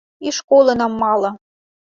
І школы нам мала.